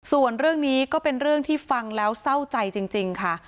ส่วนเรื่องนี้ก็เป็นเรื่องที่ฟังแล้วเศร้าใจจริงค่ะ